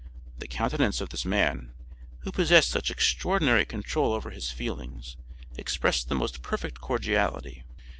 The countenance of this man, who possessed such extraordinary control over his feelings, expressed the most perfect cordiality.